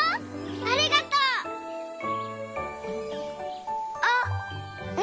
ありがとう。あっみて。